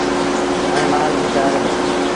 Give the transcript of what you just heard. ائيٚݩ مآل با چآري دو